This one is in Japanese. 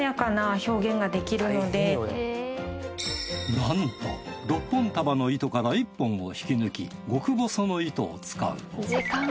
なんと６本束の糸から１本を引き抜き極細の糸を使う。